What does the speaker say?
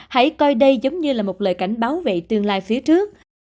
hãy coi đây giống như là một lời cảnh báo về tương lai phía trước